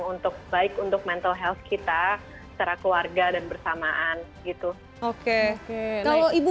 untuk baik untuk mental health kita secara keluarga dan bersamaan gitu oke oke baik ibu